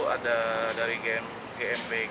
ada dari gmpg